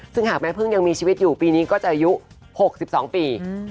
ซึ่งหากแม่พึ่งยังมีชีวิตอยู่ปีนี้ก็จะอายุ๖๒ปี